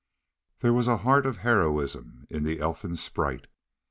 There was a heart of heroism in the "elfin sprite."